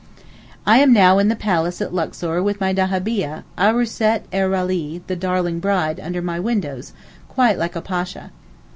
I am now in the 'palace' at Luxor with my dahabieh, 'Arooset er Ralee' (the Darling Bride), under my windows; quite like a Pasha.